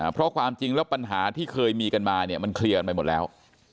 เพราะความจริงแล้วปัญหาที่เคยมีกันมาเนี่ยมันเคลียร์กันไปหมดแล้ว